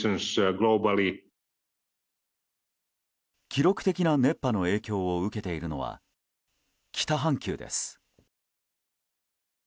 記録的な熱波の影響を受けているのは北半球です。